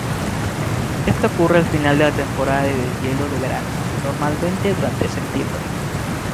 Esta ocurre al final de la temporada de deshielo de verano, normalmente durante septiembre.